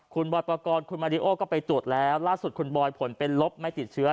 คุณบอยปกรณ์คุณมาริโอก็ไปตรวจแล้วล่าสุดคุณบอยผลเป็นลบไม่ติดเชื้อ